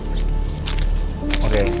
nanti aku akan beritahu